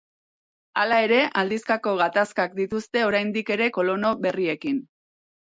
Hala ere, aldizkako gatazkak dituzte oraindik ere kolono berriekin.